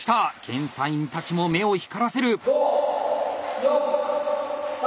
検査員たちも目を光らせる。